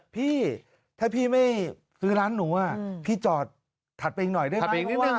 พี่ถ้าพี่ไม่ซื้อร้านหนูพี่จอดถัดไปอีกหน่อยได้ไหม